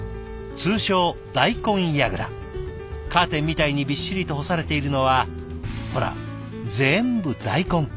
カーテンみたいにびっしりと干されているのはほら全部大根。